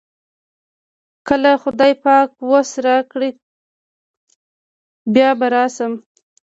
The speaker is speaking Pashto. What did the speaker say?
کله خدای پاک وس راکړ بیا به لاړ شم.